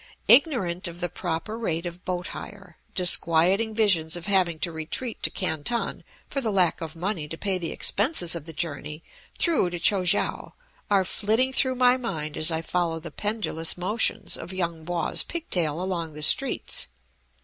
Ignorant of the proper rate of boat hire, disquieting visions of having to retreat to Canton for the lack of money to pay the expenses of the journey through to Kui kiang are flitting through my mind as I follow the pendulous motions of Yung Po's pig tail along the streets.